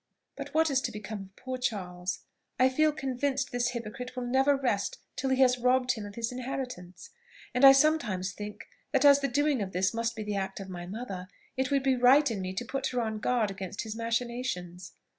But what is to become of poor Charles? I feel convinced this hypocrite will never rest till he has robbed him of his inheritance; and I sometimes think that as the doing this must be the act of my mother, it would be right in me to put her on her guard against his machinations.